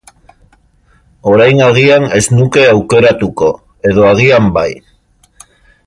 Orain agian ez nuke aukeratuko, edo agian bai.